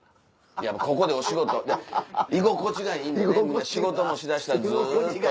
ここでお仕事居心地がいいんでね仕事もし出したらずっと。